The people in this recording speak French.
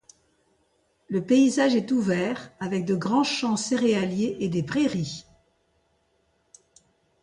Le paysage est ouvert avec de grands champs céréaliers et des prairies.